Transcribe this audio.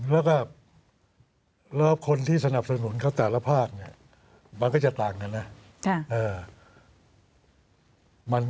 แล้วก็แล้วคนที่สนับสนุนเขาแต่ละภาคเนี่ยมันก็จะต่างกันนะ